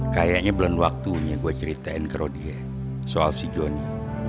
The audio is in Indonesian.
kayaknya belum waktunya gue ceritain ke rodie soal si joni